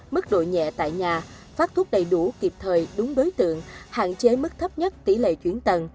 mức độ nhẹ tại nhà phát thuốc đầy đủ kịp thời đúng đối tượng hạn chế mức thấp nhất tỷ lệ chuyển tầng